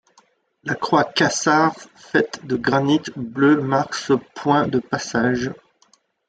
La croix Casard faite de granit bleu marque ce point de passage.